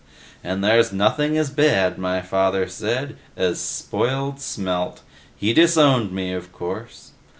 And there's nothing as bad, my father said, as spoiled Smelt. He disowned me, of course.